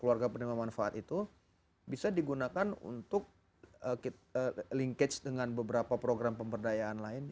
keluarga penerima manfaat itu bisa digunakan untuk linkage dengan beberapa program pemberdayaan lain